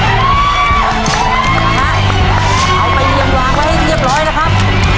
นะฮะเอาไปเรียงวางไว้ให้เรียบร้อยนะครับ